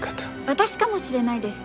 私かもしれないです